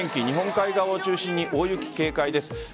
日本海側を中心に大雪警戒です。